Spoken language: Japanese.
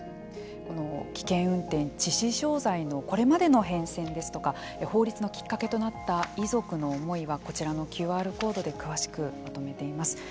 あの危険運転致死傷罪のこれまでの変遷ですとか法律のきっかけとなった遺族の思いはこちらのＱＲコードで詳しくまとめています。